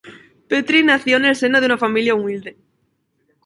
Petri nació en el seno de una familia humilde.